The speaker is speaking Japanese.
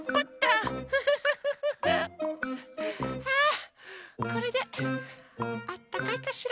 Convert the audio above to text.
あこれであったかいかしら？